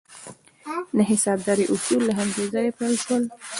د حسابدارۍ اصول له همدې ځایه پیل شول.